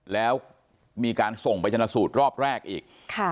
แล้วมีการส่งไปชนะสูตรรอบแรกอีก